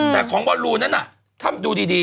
แต่ของบอลลูนั้นถ้าดูดี